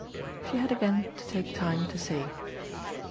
She had again to take time to say.